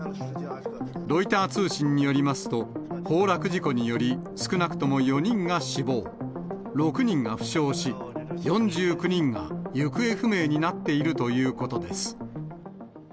ロイター通信によりますと、崩落事故により少なくとも４人が死亡、６人が負傷し、４９人が行方不明になっているということです。